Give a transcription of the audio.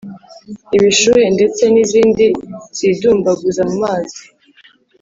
ibishuhe ndetse n’izindi zidumbaguza mu mazi,